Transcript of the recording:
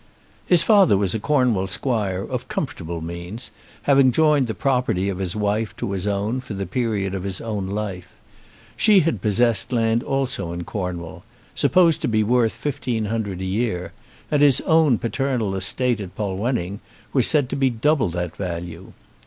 His father was a Cornwall squire of comfortable means, having joined the property of his wife to his own for the period of his own life. She had possessed land also in Cornwall, supposed to be worth fifteen hundred a year, and his own paternal estate at Polwenning was said to be double that value.